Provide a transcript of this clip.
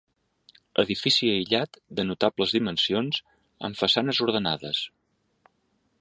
Edifici aïllat de notables dimensions, amb façanes ordenades.